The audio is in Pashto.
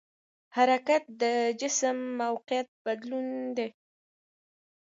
حرکت د جسم موقعیت بدلون دی.